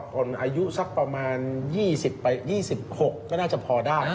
คนอายุประมาณ๒๐ลูก๒๖น่าจะพอได้